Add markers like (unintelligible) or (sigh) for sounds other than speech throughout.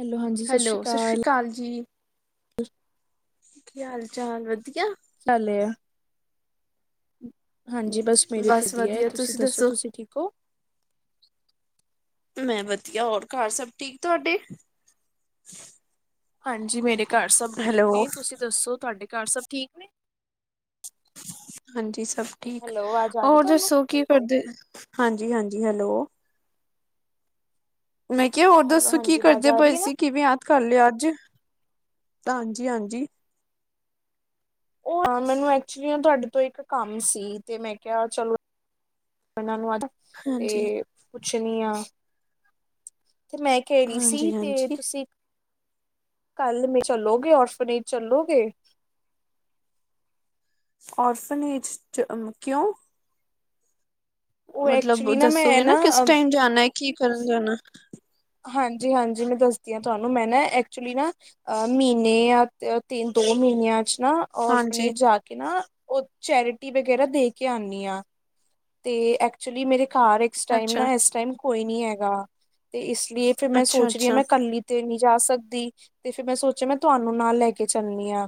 Hello ਹਾਂਜੀ hello, ਸਤਿ ਸ਼੍ਰੀ ਅਕਾਲ ਜੀ। ਅਸ਼ (unintelligible) ਕੀ, ਹਾਲ ਚਾਲ ਵਧੀਆ? (unintelligible) ਹਾਂਜੀ ਬਸ ਮੇਰੇ (unintelligible) ਵਧੀਆ ਹੈ। ਤੁਸੀਂ ਦੱਸੋ ਤੁਸੀਂ ਠੀਕ ਹੋ? ਮੈਂ ਵਧੀਆ ਹੋਰ ਘਰ ਸਭ ਠੀਕ ਤੁਹਾਡੇ? ਹਾਂਜੀ, ਮੇਰੇ ਘਰ ਸਭ ਹੈਲੋ ਠੀਕ ਨੇ ਤੁਸੀਂ ਦੱਸੋ ਤੁਹਾਡੇ? ਘਰ ਸਭ ਠੀਕ ਨੇ ਹਾਂਜੀ ਸਭ ਠੀਕ ਹੈਲੋ ਆਵਾਜ਼ ਆ ਰਹੀ ਹੋਰ ਤੁਹਾਨੂੰ ਦੱਸੋ ਕੀ ਕਰਦੇ ਹਾਂਜੀ, ਹਾਂਜੀ, ਹੈਲੋ ਮੈਂ ਕਿਹਾ ਹੋਰ ਹੈਲੋ ਦੱਸੋ ਕੀ ਹਾਂਜੀ ਆਵਾਜ਼ ਕਰਦੇ ਆ ਰਹੀ ਪਏ ਹੈ ਨਾ ਸੀ। ਕਿਵੇਂ ਯਾਦ ਕਰ ਲਿਆ ਅੱਜ? (unintelligible) ਹਾਂਜੀ, ਹਾਂਜੀ ਹਾਂ ਮੈਨੂੰ ਐਕਚੁਲੀ ਤੁਹਾਡੇ ਤੋਂ ਇੱਕ ਕੰਮ ਸੀ, ਤੇ ਮੈਂ ਕਿਹਾ ਚਲੋ ਇਹਨਾਂ ਨੂੰ ਅੱਜ ਹਾਂਜੀ ਚੁਣੀਆਂ ਤੇ ਮੈਂ ਕਹਿ ਰਹੀ ਸੀ, ਹਾਂਜੀ ਤੇ ਹਾਂਜੀ ਤੁਸੀਂ ਕੱਲ੍ਹ ਮੈਂ ਚੱਲੋਗੇ ਔਰਫਨੇਜ ਚੱਲੋਗੇ? ਔਰਫਨੇਜ ਚ ਕਿਉਂ? ਉਹ ਮਤਲਬ ਐਕਚੁਲੀ ਮੈਂ ਦੱਸੋਗੇ, ਨਾ ਕਿਸ ਟਾਈਮ ਜਾਣਾ? ਕੀ ਕਰਨ ਜਾਣਾ ਹਾਂਜੀ, ਹਾਂਜੀ ਮੈਂ ਦੱਸਦੀ ਹਾਂ ਤੁਹਾਨੂੰ ਮੈਂ ਨਾ ਐਕਚੁਲੀ ਨਾ ਅ ਮਹੀਨੇ ਜਾਂ ਤਿੰਨ ਦੋ ਮਹੀਨਿਆਂ ਚ ਨਾ ਹਾਂਜੀ ਔਰਫਨੇਜ ਜਾ ਕੇ ਨਾ ਉਹ ਚੈਰਿਟੀ ਵਗੈਰਾ ਦੇ ਕੇ ਆਉਂਦੀ ਆ। ਤੇ ਐਕਚੁਲੀ ਮੇਰੇ ਘਰ ਇਸ ਟਾਈਮ ਅੱਛਾ ਨਾ ਇਸ ਟਾਈਮ ਕੋਈ ਨੀ ਹੈਗਾ। ਤੇ ਇਸ ਲੀਏ ਫੇ ਰ ਮੈਂ ਅੱਛਾ ਸੋਚ ਰਹੀ ਹਾਂ, ਅੱਛਾ ਮੈਂ ਕੱਲੀ ਤੇ ਨਹੀਂ ਜਾ ਸਕਦੀ। ਤੇ ਫੇਰ ਮੈਂ ਸੋਚਿਆ, ਮੈਂ ਤੁਹਾਨੂੰ ਨਾਲ ਲੈ ਕੇ ਚੱਲਨੀ ਆਂ।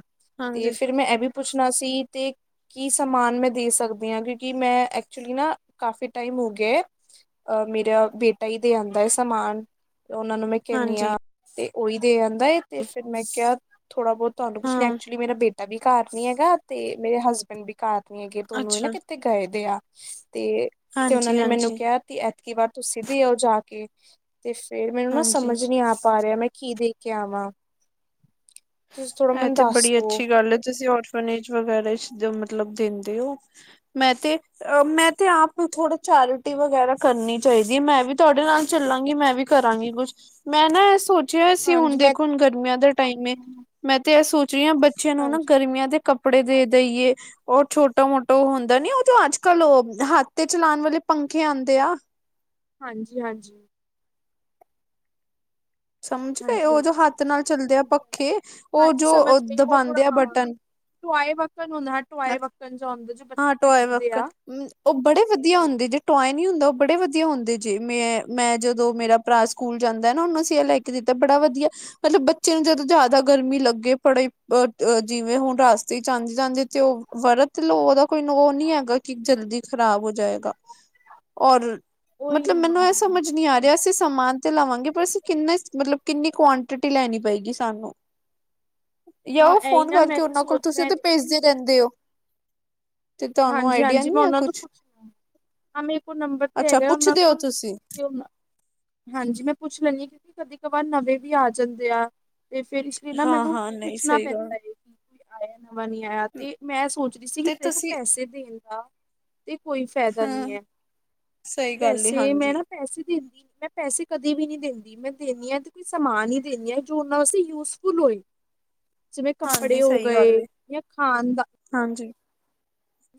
ਤੇ, ਹਾਂਜੀ ਫਿਰ ਮੈਂ ਇਹ ਵੀ ਪੁੱਛਣਾ ਸੀ। ਤੇ ਕੀ ਸਮਾਨ ਮੈਂ ਦੇ ਸਕਦੀ ਹਾਂ, ਕਿਉਂਕਿ ਮੈਂ ਐਕ ਐਕਚੁਲੀ ਨਾ ਕਾਫੀ ਟਾਈਮ ਹੋ ਗਿਆ ਅ ਮੇਰਾ ਬੇਟਾ ਹੀ ਦੇ ਆਉਂਦਾ ਹੈ, ਸਮਾਨ ਓਹਨਾਂ ਨੂੰ ਮੈਂ ਕਹਿੰਨੀ ਹਾਂਜੀ ਆਂ ਤੇ। ਓਈ ਦੇ ਆਂ ਬਏ ਤੇ ਫੇਰ ਮੈਂ ਕਿਆ। ਥੋੜਾ ਬੋਤ ਤੁਹਾਨੂੰ ਕੁਛ ਹਾਂ ਐਕਚੁਅਲੀ ਮੇਰਾ ਬੇ ਐਵੀ ਘਰ ਨੀ ਹੈਗਾ ਤੇ ਮੇਰੇ ਹਸਬੈਂਡ ਵੀ ਘਰ ਨੀ ਹੈਗੇ ਦੋਨੋ ਏ ਨਾ ਅੱਛਾ ਕਿੱਥੇ ਗਏ ਦੇ ਆ। ਤੇ ਤੇ ਉਹਨਾਂ ਹਾਂਜੀ, ਨੇ ਮੈਨੂੰ ਹਾਂਜੀ, ਕਿਹਾ ਕਿ ਐਤਕੀ ਵਾਰ ਤੁਸੀ ਦੇ ਆਓ ਜਾ ਕੇ। (inaudible) ਤੇ ਫੇਰ ਮੈਨੂੰ ਨਾ ਹਾਂਜੀ ਸਮਝ ਨੀ ਆ ਪਾ ਰਿਹਾ ਮੈਂ ਕੀ ਦੇ ਕੇ ਆਵਾਂ? ਤੁਸੀਂ ਥੋੜਾ ਐ ਮੈਨੂੰ ਤੇ ਦੱਸ ਬੜੀ ਦੋ ਅੱਛੀ ਗੱਲ ਏ ਤੁਸੀ ਔਰਫਨੇਜ ਵਗੈਰਾ ਚ ਮਤਲਬ ਦਿੰਦੇ ਹੋ ਮੈਂ ਤੇ ਅ ਮੈਂ ਤੇ ਆਪ ਥੋੜਾ ਚੈਰਿਟੀ ਵਗੈਰਾ ਕਰਨੀ ਚਾਹੀਦੀ ਹੈ ਮੈਂ ਵੀ ਤੁਹਾਡੇ ਨਾਲ ਚਲਾਂਗੀ ਮੈਂ ਵੀ ਕਰਾਂਗੀ ਕੁਛ ਮੈਂ ਨਾ ਇਹ ਸੋਚ ਜੇ ਅਸੀ ਹੁਣ ਹਾਂਜੀ ਮੈਂ ਦੇਖੋ ਹੁਣ ਗਰਮੀਆਂ ਦੇ ਟਾਈਮ ਏ। ਮੈਂ ਤੇ ਐ ਸੋ ਛੇ ਬੱਚਿਆਂ ਨੂੰ ਨਾ ਹਾਂਜੀ ਗਰਮੀਆਂ ਦੇ ਕਪ ਕੱਪੜੇ ਦੇਈਏ ਉਹ ਛੋਟਾ ਮੋਟਾ ਹੁੰਦਾ ਨੀ ਉਹ ਜੋ ਅੱਜ ਕੱਲ ਓਹ ਹੱਥ ਤੇ ਚਲਾਣ ਵਾਲੇ ਪੰਖੇ ਆਂਦੇ ਆ। ਹਾਂਜੀ ਹਾਂਜੀ। ਸਮਝ ਗਏ ਹਾਂਜੀ ਹੋ ਜੋ ਹਾਂਜੀ ਹੱਥ ਸਮਝ ਨਾਲ ਚੱਲਦੇ ਆ ਹਾਂਜੀ ਹਾਂਜੀ ਪੱਖੇ ਓ ਹਾਂਜੀ ਜੋ ਸਮਝ ਗਈ ਉਹ ਥੋੜਾ ਦਬਾਂਦੇ ਆ ਹਾਂ ਬਟਨ। ਟੋਆਏ ਵ ਹਾਂ ਟੋਆਏ ਵੱਕਣ ਜਾ ਹੋਂ ਹਾਂ ਟੋਆਏ ਵਕਨ ਓ ਬੜੇ ਵਧੀਆ ਹੁੰਦੇ ਹਾਂਜੀ। ਜੇ ਟੋਏ ਨਹੀਂ ਹੁੰਦਾ ਓ ਬੜੇ ਵਧੀਆ ਹੁੰਦੇ ਜੇ ਮੈਂ ਮੈਂ ਜਦੋਂ ਮੇਰਾ ਭਰਾ ਸਕੂਲ ਜਾਂਦਾ ਨਾ ਓਨੂੰ ਅਸੀਂ ਇਹ ਲੈ ਕੇ ਦਿੱਤਾ ਬੜਾ ਵਧੀਆ ਮਤਲਬ ਬੱਚੇ ਨੂੰ ਜਦੋਂ ਜ਼ਿਆਦਾ ਗਰਮੀ ਲੱਗੇ ਪੜੇ ਅ ਅ ਜਿਵੇਂ ਹੁਣ ਰਾਸਤੇ ਚ ਆਂ ਜਾਂਦੇ ਤੇ ਓ ਵਰਤ ਲੋ। ਕੋਈ ਉਹ ਨੀ ਹੈਗਾ ਕਿ ਜਲਦੀ ਖ਼ਰਾਬ ਹੋ ਜਾਏਗਾ ਔਰ ਮਤਲਬ ਉਹੀ ਮੈਨੂੰ ਇਹ ਹਾਂ। ਸਮਝ ਨਹੀ ਆ ਰਿਹਾ ਅਸੀ ਸਮਾਨ ਤੇ ਲਵਾਂਗੇ ਪਰ ਅਸੀ ਕਿੰਨਾ ਮਤਲਬ ਕਿੰਨੀ ਕੁਆਆਂਟਿਟੀ ਲੈਣੀ ਪਏਗੀ ਸਾਨੂੰ। ਯਾਂ ਹਾਂ ਔ ਇਹੀ ਫੋਨ ਨਾ ਮੈਂ ਕਰਕੇ ਤੇ ਉਹਨਾਂ ਕੋਲ ਸੋਚ ਤੁਸੀ ਮੈਂ ਤੇ ਭੇਜਦੇ ਰਹਿੰਦੇ ਹੋ। ਤੇ ਤੁਹਾਨੂੰ ਹਾਂਜੀ ਆਈਡੀਆ ਹਾਂਜੀ ਨੀ ਮੈਂ ਹੈ ਉਹਨਾਂ ਕੁਛ ਤੋਂ ਪੁੱਛਣਾ ਹਾਂ ਮੇਰੇ ਕੋਲ ਨੰਬਰ ਤੇ ਅੱਛਾ ਹੈਗਾ ਓਨਾਂ ਪੁੱਛਦੇ ਹੋ ਕੋਲ ਤੁਸੀਂ ਤੇ ਹਾਂਜੀ ਮੈਂ ਪੁੱਛ ਲੈਂਣੀ ਆਾਂ ਕਿਊਂਕਿ ਕਦੀ ਕਬਾਰ ਨਵੇਂ ਵੀ ਆ ਜਾਂਦੇ ਆ। ਤੇ ਫੇਰ ਇਸ ਲਈ ਨਾ ਮੈਨੂੰ ਹਾਂ-ਹਾਂ ਨਹੀਂ ਪੁੱਛਣਾ ਸਹੀ ਗੱਲ ਪੈਂਦਾ ਏ । ਆਏ ਏ ਨਾ। ਵਾ ਨੀ ਆਇਆ ਤੇ ਮੈਂ ਸੋਚ ਰੀ ਸੀ ਕਿ ਤੇ ਪੇਖੋ ਤੁਸੀਂ ਸੇ ਦੇਣ ਦਾ ਤੇ ਕੋਈ ਫੈਦਾ ਨੀ ਹੂੰ ਐ, ਸਹੀ ਗੱਲ ਏ ਪੈਸੇ ਮੈਂ ਨਾ ਹਾਂਜੀ-ਹਾਂਜੀ ਪੈਸੇ ਦਿੰਦੀ ਮੈਂ ਪੈਸੇ ਕਦੇ ਵੀ ਨੀ ਦੇੰਦੀ ਮੈਂ ਦੇਣੀ ਆਂ ਤੇ ਕੋਈ ਸਮਾਨ ਈ ਦਿੰਣੀ ਆਂ ਜੋ ਔਨਾ ਵਸੇ ਯੂਜਫੁੱਲ ਹੋਏ। ਜਿਵੇਂ ਕੱਪੜੇ ਹੋ ਸਹੀ ਗਏ ਗੱਲ ਏ ਯਾ ਖਾਨ ਦਾ ਹਾਂਜੀ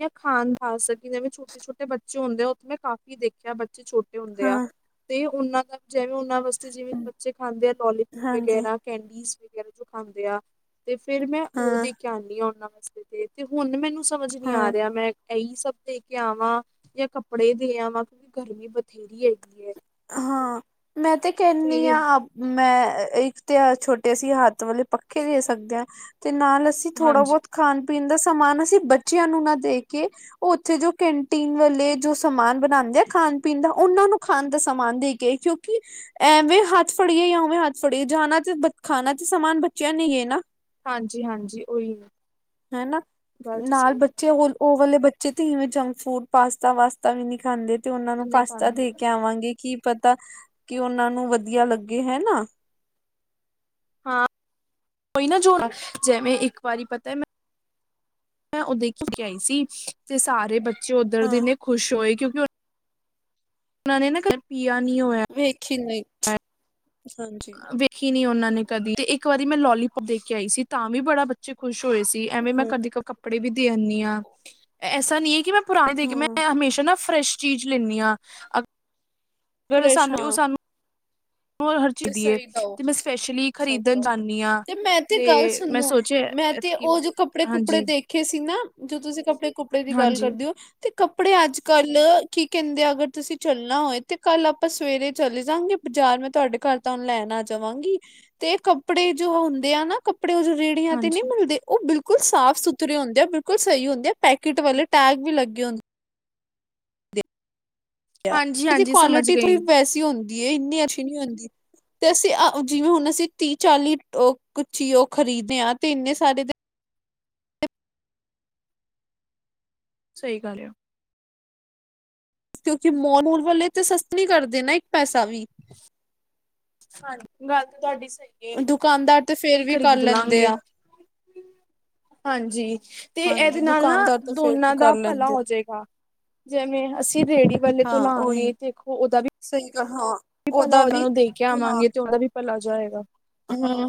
ਯਾ ਖਾਣ ਖਾ ਸਕੀ ਜੈਵੇਂ ਛੋਟੇ ਛੋਟੇ ਬੱਚੇ ਹੁੰਦੇ ਐ ਔਥੇ ਮੈਂ ਕਾਫੀ ਦੇਖਿਆ ਬਚੇ ਛੋਟੇ ਹੁੰਦੇ ਆ ਹਾਂ ਤੇ ਉਨਾਂ ਦਾ ਜੈਵੇਂ ਓਨਾਂ ਵਸ ਤੇ ਜਿਵੇਂ ਬੱਚੇ ਖਾਂਦੇ ਆ ਲੋਲੀਪੋਪ ਹਾਂਜੀ ਵਗੈਰਾ ਕੈਂਡੀਸ। ਵੀਪੀਐਲ ਵਿਚੋਂ ਖਾਂਦੇ ਆ। ਤੇ ਫੇਰ ਮੈਂ ਔ ਹਾਂ-ਹਾਂ ਦੇਕੇ ਆਂਦੀ ਆ ਓਨਾਂ ਵਸ ਵਸਤੇ ਦੇਤੀ, ਹੋਣ ਮੈਨੂੰ ਸਮਝ ਨੀ ਆ ਰਿਆ, ਮੈਂ ਐਹੀ ਸਭ ਦੇ ਕੇ ਆਵਾਂ ਯਾ ਕੱਪੜੇ ਦੇ ਆਵਾਂ ਕਿਉਂਕਿ ਗਰਮੀ ਬਥੇਰੀ ਹੈਗੀ ਐਂ। ਹਾਂ। ਮੈਂ ਤੇ ਕਹਿਣੀ ਆਂ, ਮੈਂ ਅ ਇੱਕ ਤੇ ਅ ਛੋਟੇ ਅਸੀਂ ਹੱਥ ਵਾਲੇ ਪੱਖੇ ਦੇ ਸਕਦੇ ਆਂ। ਤੇ ਨਾਲ ਅਸੀਂ ਥੋੜ੍ਹਾ ਹਾਂਜੀ, ਬੌਤ ਖਾਣ ਪੀ ਪੀਣ ਦਾ ਸਮਾਨ ਅਸੀਂ ਬੱਚਿਆਂ ਨੂੰ ਨਾ ਦੇ ਕੇ ਔ ਔਥੇ ਜੋ ਕੈਂਟੀਨ ਵਾਲੇ ਜੋ ਸਮਾਨ ਬਣਾਂਦੇ ਐ ਖਾਣ ਪੀਣ ਦਾ ਔਨਾਂ ਨੂੰ ਖਾਣ ਦਾ ਸਮਾਨ ਦੇ ਕੇ ਆਈ, ਕਿਉਂਕਿ ਐਵੇਂ ਹੱਥ ਫੜੀਏ ਯਾ ਔਵੇਂ ਹੱਥ ਫੜੀਏ ਜਾਣਾ ਤੇ ਬ ਖਾਣਾ ਤੇ ਸਮਾਨ ਬੱਚਿਆਂ ਨੇ ਈ ਏਨਾ। ਹਾਂਜੀ, ਹਾਂਜੀ ਉਹੀ ਹੈਨਾ, ਗੱਲ ਤੇ ਨਾਲ ਸਹੀ ਬੱਚੇ ਔ ਔਲ ਔ ਵਾਲੇ ਬੱਚੇ ਜੇ ਧੀਵੇਂ ਜੰਕ ਫੂਡ ਪਾਸਤਾ ਵਾਸਤਾ ਵੀ ਨੀ ਖਾਂਦੇ। ਤੇ ਔਨਾਂ ਨੂੰ ਨਹੀਂ ਕਰ ਪਾਸਤਾ ਦੇ ਕੇ ਆਵਾਂਗੇ ਏ ਕੀ ਪਤਾ ਕਿ ਔਨਾਂ ਨੂੰ ਵਧੀਆ ਲੱਗੇ, ਹੈਨਾ। ਔਈ ਨਾ ਜੋ ਨਾ ਜੈਵੇਂ ਇੱਕ ਵਾਰੀ ਪਤਾ ਮੈ ਔ ਦੇ ਆਈ ਸੀ, ਤੇ ਸਾਰੇ ਬੱਚੇ ਔਧਰ ਹਾਂ ਦੇਨੇ ਖੁਸ਼ ਹੋਏ ਕਿਉਂ (unintelligible) ਉਨਾਂ ਨੇ ਨਾ ਕਰ ਪੀ ਵੇਖੀ ਨਹੀਂ। ਹਾਂਜੀ ਵੇਖੀ ਨੀ ਔਨਾਂ ਨੇ। ਕਦੀ ਤੇ ਇੱਕ ਵਾਰੀ ਮੈਂ ਲੋਲੀਪੋਪ ਦੇ ਕੇ ਆਈ ਸੀ, ਤਾਂ ਵੀ ਬੜਾ ਬੱਚੇ ਖੁਸ਼ ਹੋਏ ਸੀ ਐਵੇਂ ਮੈਂ ਹਮ ਕਦੀ ਕ ਕੱਪੜੇ ਵੀ ਦੇ ਆਣੀ ਆਂ। ਐਸਾ ਨਹੀਂ ਐ। ਮੈਂ ਪੁਰਾਣੇ ਦੇਕੇ ਮੈਂ ਹਾਂ ਹਮੇਸ਼ਾ ਨਾ ਫਰੈਸ਼ ਚੀਜ਼ ਲੇਣੀ ਆਂ, ਅ ਜਿਹੜਾ ਫਰੈਸ਼ ਸਾਨੂੰ ਹਾਂ ਉਹ ਸਾਨੂੰ ਹੋਰ ਹਰ ਤੇ ਚੀਜ਼ ਦੀ ਏ ਸਹੀ ਦੋ ਤੇ ਮੈਂ ਸਪੈਸ਼ਲੀ ਖਰੀਦਣ ਸਹੀ ਜਾਂਦੀ ਹਾਂ। ਤੇ ਮੈਂ ਤੇ ਗੱਲ ਮੈਂ ਸੁਣੋ ਸੋਚਿਆ ਮੈਂ ਤੇ ਐਤਕੀ ਉਹ ਜੋ ਕੱਪੜੇ ਕੁਪੜੇ ਹਾਂਜੀ, ਦੇਖੇ ਸੀ ਨਾ ਜੋ ਤੁਸੀਂ ਕੱਪੜੇ ਕੁੱਪੜੇ ਦੀ ਗੱਲ ਹਾਂਜੀ, ਕਰਦੇ ਹੋ। ਤੇ ਕੱਪੜੇ ਅੱਜ ਕੱਲ ਕੀ ਕਹਿੰਦੇ ਆ ਅਗਰ ਤੁਸੀਂ ਚੱਲਣਾ ਹੋਏ ਤੇ ਕੱਲ ਆਪਾਂ ਸਵੇਰੇ ਚਲੇ ਜਾਵਗੇ ਬਾਜ਼ਾਰ ਮੈਂ ਤੁਹਾਡੇ ਘਰ ਤਾਂ ਉਹਨੂੰ ਲੈਣਾ ਚਵਾਂਗੀ ਤੇ ਕੱਪੜੇ ਜੋ ਹੁੰਦੇ ਆ ਨਾ ਕਪੜੇ ਆਪਣੇ ਰੇੜੀਆ ਤੇ ਨਹੀਂ ਹਾਂਜੀ, ਮਿਲਦੇ ਉਹ ਬਿਲਕੁਲ ਸਾਫ ਸੁਥਰੇ ਹੁੰਦੇ ਆ ਬਿਲਕੁਲ ਸਹੀ ਹੁੰਦੇ ਆ ਪੈਕਟ ਵਾਲੇ ਟੈਗ ਵੀ ਲਗੇ ਹੁੰਦੇ। ਹਾਂਜੀ, ਇਹਦੀ ਹਾਂਜੀ ਸਮਝ ਕੁਆਲਿਟੀ ਥੜੀ ਗਈ ਵੈਸੀ ਹੁੰਦੀ ਏ ਇੰਨੀ ਅੱਛੀ ਹੁੰਦੀ ਤੇ ਅਸੀਂ ਜਿਵੇਂ ਹੁਣ ਅਸੀਂ ਤੀਹ ਚਾਲੀ ਚੀ ਓ ਖ਼ਰੀਦਦੇ ਹਾਂ ਤੇ ਇੰਨੇ ਸਾਰੇ ਦੇ ਸਹੀ ਗੱਲ ਆ। ਕਿਉਂਕਿ ਮਾਲ ਮੌਲ ਵਾਲੇ ਤੇ ਸਸਤੇ ਨੀ ਕਰਦੇ ਨਾ ਇੱਕ ਪੈਸਾ ਵੀ ਹਾਂਜੀ। ਗੱਲ ਤਾ ਤੁਹਾਡੀ ਸਹੀ ਦੁਕਾਨਦਾਰ ਤੇ ਫੇਰ ਐ। ਵੀ ਕਰ ਖ਼ਰੀਦ ਲੈਂਦੇ ਲਾਂਗੇ ਆ ਹਾਂਜੀ ਤੇ ਹਾਂਜੀ ਇਹਦੇ ਨਾਲ ਨਾ ਦੁਕਾਨਦਾਰ ਤਾਂ ਫੇਰ ਵੀ ਦੋਨਾਂ ਦਾ ਕਰ ਭਲਾ ਲੈਂਦੇ ਆ। ਹੋਜਏਗਾ ਜਿਵੇਂ ਅਸੀਂ ਰੇਹੜੀ ਵਾਲੇ ਤੋਂ ਹਾਂ ਉਹੀ ਲਾਵਗੇ ਦੇਖੋ ਉਹਦਾ ਵੀ ਸਹੀ ਗੱਲ ਹਾਂ ਵੀ ਭਲਾ ਉਹਦਾ ਉਹਨਾ ਨੂੰ ਦੇ ਕੇ ਆਵਾਂਗੇ ਤੇ ਉਹਦਾ ਵੀ ਭਲਾ ਜਾਏਗਾ। ਹਾਂ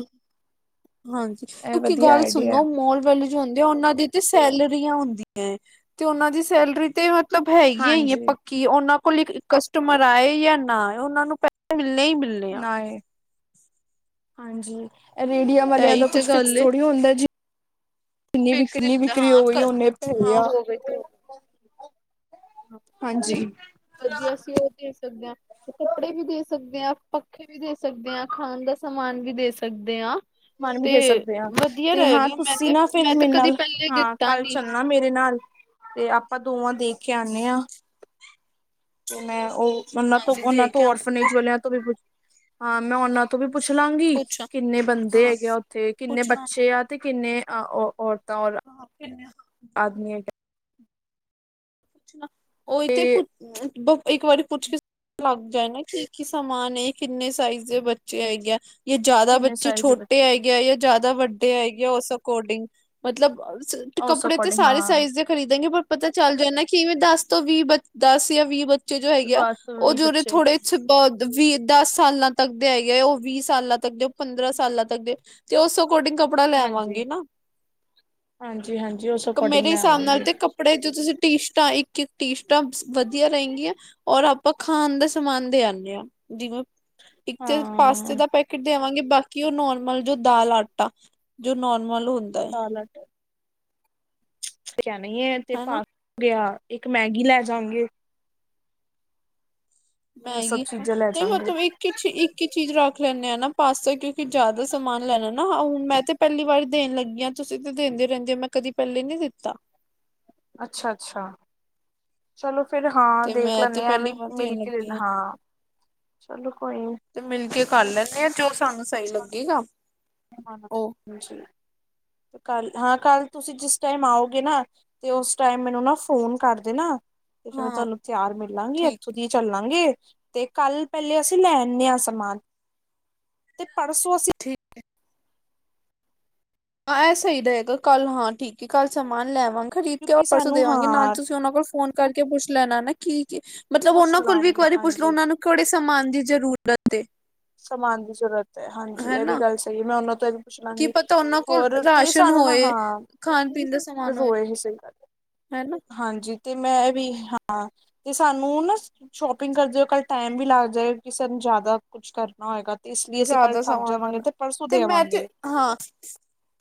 ਹਾਂਜੀ ਇਹ ਕਿਉਂਕਿ ਵਧੀਆ ਗੱਲ ਆਈਡੀਆ। ਸੁਣੋ ਮੋਲ ਵੈਲੂ ਹੁੰਦੇ ਉਹਨਾਂ ਦੀ ਤੇ ਸੈਲਰੀਆਂ ਹੁੰਦੀਆਂ ਹੈ ਤੇ ਉਹਨਾਂ ਦੀ ਸੈਲਰੀ ਤੇ ਮਤਲਬ ਹੈਗੀੀਆਂ ਹੀ ਹੈ ਹਾਂਜੀ ਪੱਕੀ ਉਹਨਾਂ ਕੋ ਕਸਟਮਰ ਆਏ ਜਾਂ ਨਾ ਉਹਨਾਂ ਨੂੰ ਪੈ ਨਹੀਂ ਮਿਲਣੇ ਆ ਨਾ ਏ ਹਾਂਜੀ ਰੇਡੀਆ ਵਾਲਿਆਂ ਇਹੀ ਦਾ ਤੇ ਕੁੱਛ ਫਿਕਸ ਗੱਲ ਏ ਥੋੜ੍ਹੀ ਹੁੰਦਾ ਜੀ ਜਨੀ ਫਿਕਸ ਨੀ ਕਿੰਨੀ ਹੁੰਦਾ ਵਿਕਰੀ ਹਾਂ ਹੋ ਗਈ ਕ ਓਨੇ ਹਾਂ ਭੇਜਿਆ ਹੋ ਗਈ ਤੇ ਹੋ ਗਈ ਵਧੀਆ ਅਸੀ ਉਹ ਦੇ ਸਕਦੇ ਹਾਂ ਤੇ ਕੱਪੜੇ ਵੀ ਦੇ ਸਕਦੇ ਹਾਂ ਪੱਖੇ ਵੀ ਦੇ ਸਕਦੇ ਹਾਂ ਖਾਣ ਦਾ ਸਮਾਨ ਵੀ ਦੇ ਸਕਦੇ ਹਾਂ ਮਨ ਵੀ ਤੇ ਦੇ ਸਕਦੇ ਹਾਂ ਵਧੀਆ ਤੇ ਹਾਂ ਰਹੇਗਾ ਮੈਂ ਤੁਸੀਂ ਤੇ ਨਾ ਫਿਰ ਮੈਂ ਤੇ ਮੇਰੇ ਕਦੀ ਨਾਲ ਪਹਿਲੇ ਹਾਂ ਦਿੱਤਾ ਕੱਲ ਨੀ। ਚੱਲਣਾ ਮੇਰੇ ਨਾਲ ਤੇ ਆਪਾਂ ਦੋਵਾਂ ਦੇਖ ਕੇ ਆਉਂਦੇ ਹਾਂ ਤੇ ਮੈਂ ਉਹ ਉਹਨਾਂ ਤੋਂ ਹਾਂਜੀ ਉਹਨਾਂ ਦੇ ਕੇ ਤੋਂ ਆਵਾਂਗੇ ਔਰਫਨੇਜ ਵਾਲਿਆਂ ਤੋਂ ਵੀ ਹਾਂ ਮੈਂ ਉਹਨਾਂ ਤੋਂ ਵੀ ਪੁੱਛ ਲਾਂਗੀ, ਪੁੱਛ ਕਿੰਨੇ ਬੰਦੇ ਹਾਂ ਹੈਗੇ ਆ ਉੱਥੇ, ਕਿੰਨੇ ਬੱਚੇ ਆ ਤੇ ਕਿੰਨੇ? ਆਹ ਉਹ ਓਹ। ਆਪ ਕਿਨੇ ਆਂ। ਪੁੱਛਣਾ। ਉਹ ਹੀ ਤੇ ਕੁ ਕਿਦਾਂ। ਇੱਕ ਵਾਰੀ ਪੁੱਛ ਕੇ ਲੱਗ ਨਾ ਕੀ ਕੀ ਸਮਾਨ ਇਹ ਕਿੰਨੇ ਸਾਈਜ਼ ਦੇ ਬੱਚੇ ਹੈਗੇ ਆ। ਜੇ ਜ਼ਿਆਦਾ ਕਿੰਨੇ ਬੱਚੇ ਸਾਈਜ਼ ਦੇ ਛੋਟੇ ਬੱਚੇ ਆ ਆਏਗੇ ਜਾਂ ਜ਼ਿਆਦਾ ਵੱਡੇ ਹੈ ਗੇ ਆ ਉਸ ਅਕੋਰਡਿੰਗ, ਮਤਲਬ ਉਸ ਕੱਪੜੇ ਤੇ ਅਕੋਰਡਿੰਗ ਸਾਰੇ ਹਾਂ ਸਾਈਜ਼ ਦੇ ਖਰੀਦੇ ਗੇ, ਪਰ ਪਤਾ ਚੱਲ ਜਾਂਣਾ। ਕਿਵੇਂ ਦੱਸ ਤੋਂ ਵੀਹ ਬਚ ਦੱਸ ਜਾਂ ਵੀਹ। ਬੱਚੇ ਜੋ ਹੈਗੇ ਆ ਬਸ ਉਹ ਉਹੀ ਜਿਹੜੇ ਬੱਚੇ ਹੈਗੇ ਥੋੜੇ 'ਚ ਬਾਅਦ ਵੀਹ, ਦਸ ਸਾਲਾਂ ਤੱਕ ਦੇ ਹੈਗੇ ਹੈ, ਉਹ ਵੀਹ ਸਾਲਾਂ ਤੱਕ ਦੇ ਪੰਦਰਾਂ ਸਾਲਾਂ ਤੱਕ ਦੇ ਤੇ ਉਹ ਸੁਬ ਅਕੋਡਿੰਗ ਕੱਪੜਾ ਹਾਂਜੀ ਲੈਆਂਵਾਂਗੇ ਨਾ, ਹਾਂਜੀ ਹਾਂਜੀ ਉਸ ਅਕੋਰਡਿੰਗ ਮੇਰੇ ਲੈ ਹਿਸਾਬ ਨਾਲ ਆਵਾਂਗੇ ਤੇ ਕੱਪੜੇ ਜੋ ਤੁਸੀਂ ਤੀਸ਼ ਤਾ ਇੱਕ ਟੀਸਟਾਂ ਵਧੀਆ ਰਹਿੰਗੀਆਂ, ਔਰ ਆਪਾਂ ਖਾਣ ਦਾ ਸਮਾਨ ਦੇ ਆਣੇ ਹਾਂ, ਜਿਵੇਂ ਇੱਕ ਤੇ ਹਾਂ ਪਾਸਤੇ ਦਾ ਪੈਕੇਟ ਕਿ ਉਹ ਨੋਰਮਲ ਜੋ ਦਾਲ, ਆਟ ਤਾ ਜੋ ਨੋਰ ਮੰਨ ਲੋ ਹੁੰਦਾ ਹੈ। ਦਾਲ ਕਹਿ ਨਹੀਂ ਹੈ ਤੇ ਹਨਾ ਪਾਸ ਗਿਆ ਇੱਕ ਮੈਗੀ ਲੈ ਜਾਂਗੇ। ਸਭ ਮੈਗੀ ਹ ਚੀਜ਼ਾਂ ਲੈ ਨਹੀਂ ਜਾਗੇ। ਮਤਲਬ ਇੱਕ ਚ ਇੱਕ ਹੀ ਚੀਜ਼ ਰੱਖ ਲੈਂਦੇ ਆ ਨਾ। ਪਾਸੇ ਕੀ ਕਿ ਜ਼ਿਆਦਾ ਸਮਾਨ ਲੈਣਾ ਨਾ ਹੁਣ ਮੈਂ ਤੇ ਤੇ ਪਹਿਲੀ ਵਾਰੀ ਦੇਣ ਲੱਗੀਆਂ, ਤੁਸੀਂ ਤੇ ਦਿੰਦੇ ਰਹਿੰਦੇ ਹੋ ਮੈਂ ਕਦੀ ਪਹਿਲੇ ਨਹੀਂ ਦਿੱਤਾ। ਅੱਛਾ, ਅੱਛਾ ਚਲੋ। ਫਿਰ ਹਾਂ ਤੇ ਦੇਖ ਮੈਂ ਤੇ ਲੈਣੇ ਹਾਂ ਪਹਿਲੀ ਐਵੇਂ ਵਾਰ ਮਿਲ ਦੇਣ ਕੇ ਲ, ਲੱਗੀ ਹਾਂ ਚਲੋ ਕੋਈ ਨੀ। ਕੱਲ। ਇਹ ਆ ਜੋ ਸਾਨੂੰ ਸਹੀ ਲੱਗੇਗਾ, ਉਹ ਹਾਂਜੀ ਤੇ ਕੱਲ ਹਾਂ, ਕੱਲ ਤੁਸੀਂ ਜਿਸ ਟਾਈਮ ਆਓਗੇ ਨਾ ਤੇ ਉਸ ਟਾਈਮ ਮੈਨੂੰ ਨਾ ਫੋਨ ਕਰ ਦੇਣਾ। ਤੇ ਫਿਰ ਮੈਂ ਹਾਂ ਤੁਹਾਨੂੰ ਤਿਆਰ ਮਿਲਾਂਗੀ, ਠੀਕ ਇੱਥੋਂ ਦੀ ਹੀ ਚੱਲਾਂਗੇ। ਤੇ ਕੱਲ ਪਹਿਲੇ ਅਸੀਂ ਲੈਨੇ ਆ ਸਮਾਨ। ਤੇ ਪਰਸੋਂ ਅਸੀਂ ਠੀਕ ਹਾਂ, ਇਹ ਸਹੀ ਰਹੇਗਾ ਕੱਲ ਹਾਂ ਠੀਕ ਹੈ ਕੱਲ ਸਮਾਨ ਲੈਵਾਂਗੇ। ਖਰੀਦ ਕੇ ਕਿਉਂਕਿ ਪਰਸੋਂ ਦੇ ਸਾਨੂੰ ਆਵਾਂਗੇ ਨਾਲ ਹਾਂ ਤੁਸੀਂ ਉਹਨਾਂ ਕੋਲ ਫੋਨ ਕਰਕੇ ਪੁੱਛ ਲੈਣਾ ਨਾ ਕੀ ਮਤਲਬ ਪੁੱਛ ਉਹਨਾਂ ਕੋਲ ਵੀ ਇੱਕ ਲਾਂਗੀ ਵਾਰੀ ਪੁੱਛ ਲੋ ਹਾਂਜੀ ਉਹਨਾਂ ਨੂੰ ਕਿਹੜੇ ਸਮਾਨ ਦੀ ਜ਼ਰੂਰਤ ਏ ਸਮਾਨ ਦੀ ਜ਼ਰੂਰਤ ਹੈ, ਹਾਂਜੀ ਇਹ ਵੀ ਹਨਾ ਗੱਲ ਸਹੀ ਹੈ ਮੈਂ ਉਹਨਾਂ ਤੋਂ ਪਰ ਕੀ ਪੁੱਛਲਾਂਗੇ ਪਤਾ ਉਹਨਾਂ ਕੋਲ ਹੋਰ ਤੇ ਰਾਸ਼ਨ ਸਾਨੂੰ ਨਾ ਹੋਏ ਹਾਂ ਖਾਣ ਪੀਣ ਦਾ ਸਮਾਨ ਹੋਏ ਰੋਏ ਹੀ ਸਹੀ ਗੱਲ, ਹਨਾ ਹਾਂਜੀ। ਤੇ ਮੈਂ ਵੀ ਹਾਂ ਤੇ ਸਾਨੂੰ ਨਾ ਸ਼ੋਪਿੰਗ ਕਰਦੇ ਹੋ ਕੱਲ ਟਾਈਮ ਵੀ ਲੱਗ ਜਾਏ ਕਿ ਸਾਨੂੰ ਜ਼ਿਆਦਾ ਕੁੱਛ ਕਰਨਾ ਹੋਏਗਾ। ਤੇ ਇਸ ਲਈ ਅਸੀਂ ਕੱਲ ਜ਼ਿਆਦਾ ਥੱਕ ਸਮਾਨ ਜਾਵਾਂਗੇ ਨਾ ਪਰਸੋਂ ਤੇ ਦੇ ਮੈਂ ਤੇ ਆਵਾਂਗੇ ਹਾਂ,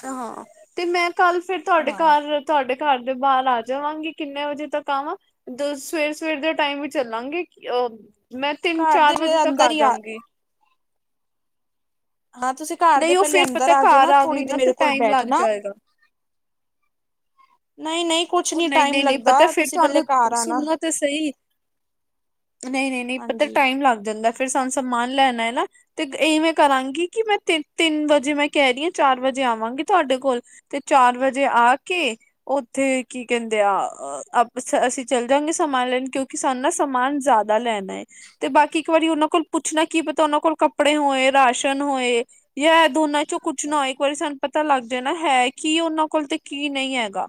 ਹਾਂ ਤੇ ਮੈਂ ਕੱਲ ਫਿਰ ਤੁਹਾਡੇ ਹਾਂ ਘਰ ਤੁਹਾਡੇ ਘਰ ਦੇ ਬਾਹਰ ਆ ਜਾਵਾਂਗੀ ਕਿੰਨੇ ਵਜੇ ਤੱਕ ਆਵਾਂ ਸਵੇਰ- ਸਵੇਰ ਦੇ ਟਾਈਮ ਵੀ ਚੱਲਾਂਗੇ, ਅ ਮੈਂ ਤਿੰਨ ਘਰ ਚਾਰ ਵਜੇ ਦੇ ਤੱਕ ਆ ਅੰਦਰ ਹੀ ਜਾਂਗੀ। ਹਾਂ, ਤੁਸੀਂ ਘਰ ਦੇ ਨਹੀਂ ਉਹ ਪਹਿਲੇ ਫੇਰ ਅੰਦਰ ਪਤਾ ਆ ਘਰ ਜਾਣਾ। ਥੋੜ੍ਹੀ ਗਈ ਦੇਰ ਨਾ ਤੇ ਮੇਰੇ ਕੋਲ ਟਾਈਮ ਲੱਗ ਬੈਠਣਾ। ਜਾਏਗਾ ਨਹੀਂ, ਨਹੀਂ। ਕੁਛ ਉਹ ਨੀ ਨਹੀਂ, ਟਾਈਮ ਨਹੀਂ, ਨਹੀਂ ਲੱਗਦਾ ਪਤਾ ਫਿਰ ਤੁਸੀਂ ਪਹਿਲੇ ਤੁਹਾਨੂੰ ਘਰ ਆਣਾ ਸੁਣੋ ਤੇ ਸਹੀ। ਨਹੀਂ, ਨਹੀਂ, ਨਹੀਂ। ਪਤਾ ਹਾਂਜੀ ਟਾਈਮ ਲੱਗ ਜਾਂਦਾ ਫਿਰ ਸਾਨੂੰ ਸਮਾਨ ਲੈਣਾ ਹੈ ਨਾ ਤੇ ਇਹਵੇੈਂ ਕਰਾਂਗੀ ਕਿ ਮੈਂ ਤ ਤਿੰਨ ਵਜੇ ਮੈਂ ਕਹਿ ਰਹੀ ਹਾਂ ਚਾਰ ਵਜੇ ਆਵਾਂਗੀ ਤੁਹਾਡੇ ਕੋਲ ਤੇ ਚਾਰ ਵਜੇ ਆ ਕੇ ਉੱਥੇ ਕੀ ਕਹਿੰਦੇ ਆ। ਅਸੀਂ ਚੱਲ ਜਾਗੇ ਸਮਾਨ ਲੈਣ ਕਿਉਂਕਿ ਸਾਨੂੰ ਨਾ ਸਮਾਨ ਜ਼ਿਆਦਾ ਲੈਣਾ ਹੈ ਤੇ ਬਾਕੀ ਇੱਕ ਵਾਰੀ ਉਹਨਾਂ ਕੋਲ ਪੁੱਛਣਾ ਕੀ ਪਤਾ ਉਹਨਾਂ ਕੋਲ ਕੱਪੜੇ ਹੋਏ। ਰਾਸ਼ਨ ਹੋਏ ਜਾਂ ਦੋਨਾਂ ਚੋਂ ਕੁਛ ਨਾ ਹੋਏ। ਇੱਕ ਵਾਰੀ ਸਾਨੂੰ ਪਤਾ ਲੱਗ ਜਾਏ ਨਾ, ਹੈ ਕੀ ਉਹਨਾਂ ਕੋਲ ਤੇ ਕੀ ਨਹੀਂ ਹੈਗਾ।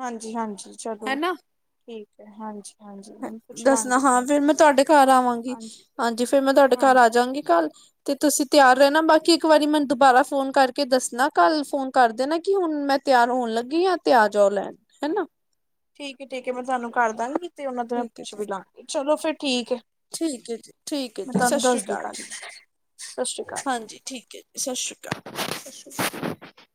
ਹਾਂਜੀ, ਹਾਂਜੀ ਚਲੋ ਹਨਾ ਠੀਕ। ਹਾਂਜੀ। ਹਾਂਜੀ ਪੁੱਛ ਦੱਸਣਾ ਲਾਂਗੀ ਹਾਂ ਫੇਰ ਮੈਂ ਤੁਹਾਡੇ ਘਰ ਆਵਾਂਗੀ। ਹਾਂਜੀ, ਫੇਰ ਮੈਂ ਤੁਹਾਡੇ ਘਰ ਆ ਹਾਂਜੀ ਜਾਵਾਂਗੀ ਕੱਲ। ਤੇ ਤੁਸੀਂ ਤਿਆਰ ਰਹਿਣਾ ਬਾਕੀ ਇੱਕ ਵਾਰੀ ਮੈਨੂੰ ਦੁਬਾਰਾ ਫੋਨ ਕਰਕੇ ਦੱਸਣਾ ਕੱਲ ਫੋਨ ਕਰ ਦੇਣਾ ਕਿ ਹੁਣ ਮੈਂ ਤਿਆਰ ਹੋਣ ਲੱਗੀ ਜਾਂ ਤੇ ਆ ਜਾਓ ਲੈਣ ਹੈ ਨਾ। ਠੀਕ ਏ, ਠੀਕ ਏ, ਮੈਂ ਤੁਹਾਨੂੰ ਕਰਦਾਂਗੀ। ਤੇ ਉਹਨਾਂ ਤੋਂ ਠੀਕ ਹੈ ਪੁੱਛ ਜੀ ਵੀ ਲਾਂਗੀ, ਚਲੋ ਫਿਰ ਠੀਕ ਹੈ ਠੀਕ ਹੈ ਜੀ, ਠੀਕ ਹੈ ਮੈਂ ਜੀ, ਸਤਿ ਤੁਹਾਨੂੰ ਸ਼੍ਰੀ ਦੱਸਦੀ ਅਕਾਲ ਕੱਲ ਜੀ। ਸਤਿ ਸ਼੍ਰੀ ਅਕਾਲ ਹਾਂਜੀ, ਠੀਕ ਹੈ ਜੀ। ਸਤਿ ਸ਼੍ਰੀ ਅਕਾਲ। (inaudible)